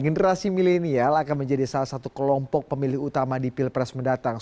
generasi milenial akan menjadi salah satu kelompok pemilih utama di pilpres mendatang